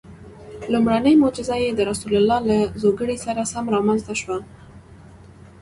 لومړنۍ معجزه یې د رسول الله له زوکړې سره سم رامنځته شوه.